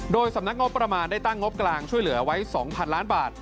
โดยสำนักงบประมาณได้ตั้งงบกลางช่วยเหลือไว้๒๐๐๐ล้านบาท